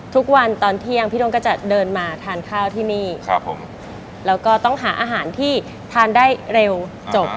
ตอนเที่ยงพี่ด้งก็จะเดินมาทานข้าวที่นี่ครับผมแล้วก็ต้องหาอาหารที่ทานได้เร็วจบ